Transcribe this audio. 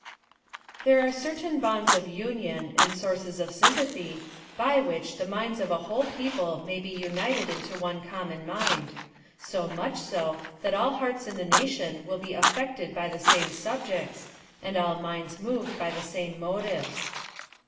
There are certain bonds of union, and sources of sympathy, by which the minds of a whole peo ple may be united into one common mind : so much so, that all hearts in the nation will be affected by the same subjects, and all minds moved by the same motives.